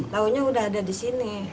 taunya udah ada di sini